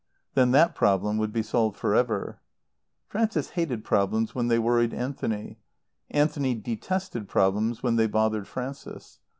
Then that problem would be solved for ever. Frances hated problems when they worried Anthony. Anthony detested problems when they bothered Frances.